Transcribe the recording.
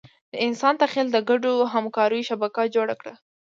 د انسان تخیل د ګډو همکاریو شبکه جوړه کړه.